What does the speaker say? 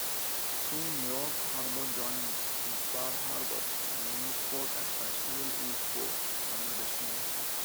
Soon York Harbor joined Bar Harbor and Newport as fashionable East Coast summer destinations.